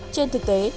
trên thực tế